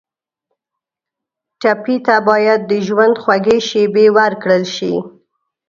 ټپي ته باید د ژوند خوږې شېبې ورکړل شي.